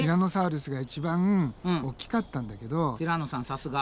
さすが。